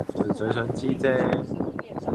純粹想知啫